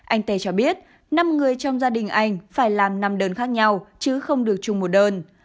anh tê cho biết năm người trong gia đình anh phải làm năm đơn khác nhau chứ không được chung một đơn